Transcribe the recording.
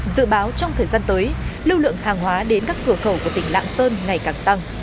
dự báo trong thời gian tới lưu lượng hàng hóa đến các cửa khẩu của tỉnh lạng sơn ngày càng tăng